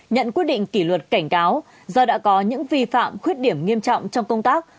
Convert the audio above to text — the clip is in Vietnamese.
nhận quyết định kỷ luật cảnh cáo do đã có những vi phạm khuyết điểm nghiêm trọng trong công tác